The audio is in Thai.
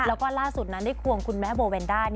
แล้วก็ล่าสุดนั้นได้ควงคุณแม่โบเวนด้า